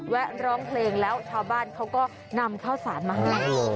แวะร้องเพลงแล้วชาวบ้านเขาก็นำข้าวสารมาให้